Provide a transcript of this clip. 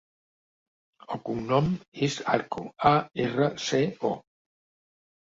El cognom és Arco: a, erra, ce, o.